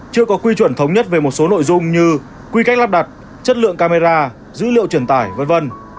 chưa có quy chuẩn thống nhất về một số nội dung như quy cách lắp đặt chất lượng camera dữ liệu truyền tải v v